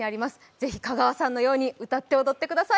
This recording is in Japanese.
ぜひ香川さんのように歌って踊ってください。